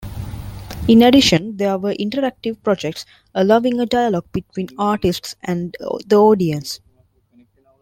In addition, there were interactive projects, allowing a dialogue between artists and the audience.